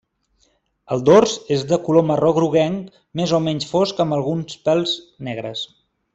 El dors és de color marró groguenc més o menys fosc amb alguns pèls negres.